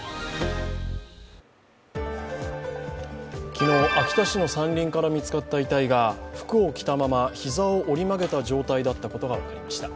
昨日、秋田市の山林から見つかった遺体が服を着たまま膝を折り曲げた状態だったことが分かりました。